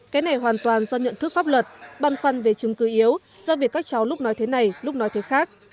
cái này hoàn toàn do nhận thức pháp luật băn khoăn về chứng cứ yếu do việc các cháu lúc nói thế này lúc nói thế khác